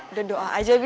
udah doa aja bi